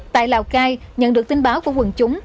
tại lào cai nhận được tin báo của quần chúng